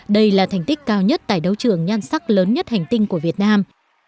đây là thành tích cao nhất tại đấu trường nhan sắc lớn nhất hành tinh của việt nam